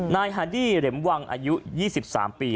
นายฮาดี้เหล็มวังอายุ๒๓ปี